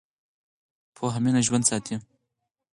پوهه مینه ژوندۍ ساتي.